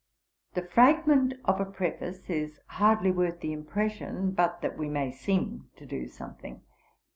The fragment of a preface is hardly worth the impression, but that we may seem to do something.